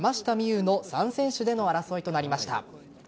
有の３選手での争いとなりました。